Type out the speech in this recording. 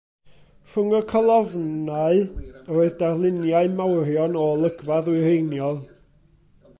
Rhwng y colofnau yr oedd darluniau mawrion o olygfa ddwyreiniol.